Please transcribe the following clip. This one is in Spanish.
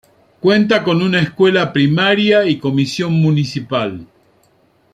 Cuenta con una escuela primaria y comisión municipal.